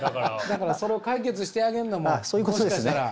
だからそれを解決してあげんのももしかしたら。